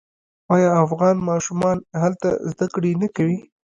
آیا افغان ماشومان هلته زده کړې نه کوي؟